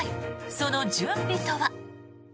その準備とは。